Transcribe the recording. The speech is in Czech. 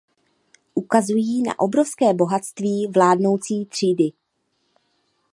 Ukazují na obrovské bohatství vládnoucí třídy.